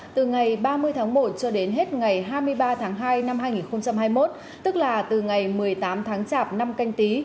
từ ngày ba mươi tháng một cho đến hết ngày hai mươi ba tháng hai năm hai nghìn hai mươi một tức là từ ngày một mươi tám tháng chạp năm canh tí